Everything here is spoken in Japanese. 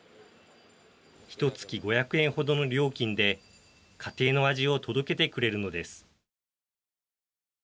ひと月５００円ほどの料金で家庭の味を届けてくれるのです。